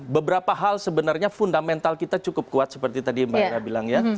beberapa hal sebenarnya fundamental kita cukup kuat seperti tadi mbak nana bilang ya